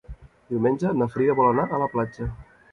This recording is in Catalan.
Diumenge na Frida vol anar a la platja.